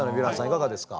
いかがですか？